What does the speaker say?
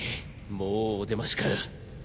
もうおでましか。